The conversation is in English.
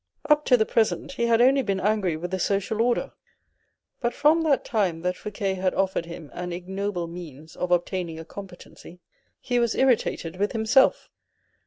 Up to the present he had only been angry with the social order, but from that time that Fouque had offered him an ignoble means of obtaining a competency, he was irritated with himself.